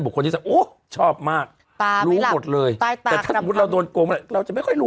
บุคคลที่ว่าโอ๊ะชอบมากรู้หมดเลยแต่ถ้าสมมุติเราโดนโกงมากก็ไม่ค่อยรู้